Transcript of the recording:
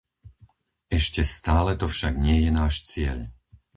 Ešte stále to však nie je náš cieľ.